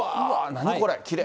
何これ、きれい。